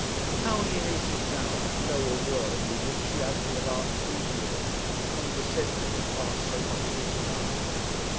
How he hated now that lower world with which he had for the last three years condescended to pass so much of his time!